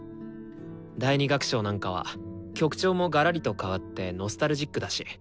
第２楽章なんかは曲調もがらりと変わってノスタルジックだし。